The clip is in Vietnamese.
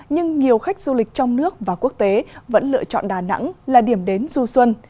nhưng nhiều khách du lịch trong nước và quốc tế vẫn lựa chọn đà nẵng là điểm đến du xuân